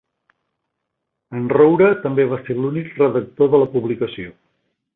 En Roure també va ser l’únic redactor de la publicació.